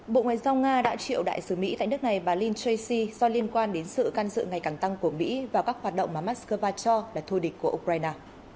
bộ ngoại giao nga đã triệu đại sứ mỹ tại nước này bà lind jee do liên quan đến sự can dự ngày càng tăng của mỹ vào các hoạt động mà moscow cho là thù địch của ukraine